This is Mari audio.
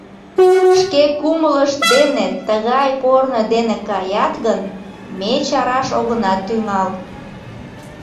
Шке кумылышт дене тыгай корно дене каят гын, ме чараш огына тӱҥал.